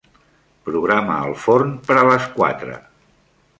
Programa el forn per a les quatre.